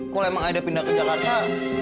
kalau emang ada pindah ke jakarta